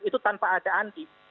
itu tanpa ada andi